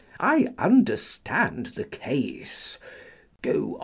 I understand the case, go on.